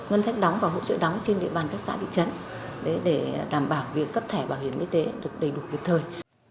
ngân sách đóng và hỗ trợ đóng trên địa bàn các xã thị trấn để đảm bảo việc cấp thẻ bảo hiểm y tế được đầy đủ kịp thời